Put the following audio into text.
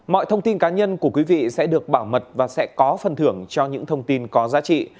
mọi thông tin cá nhân của quý vị sẽ được bảo mật và sẽ có phần thưởng cho những thông tin có giá trị